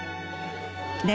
で